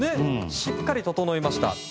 しっかりととのいました。